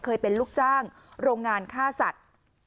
เคยเป็นลูกจ้างโรงงานฆ่าสัตว์